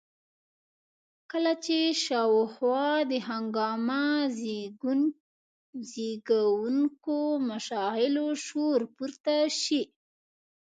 کله چې شاوخوا د هنګامه زېږوونکو مشاغلو شور پورته شي.